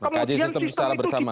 mbak kaji sistem secara bersama